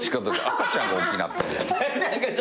赤ちゃんがおっきなってる。